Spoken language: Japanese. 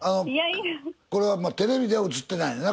これはテレビでは映ってないねんな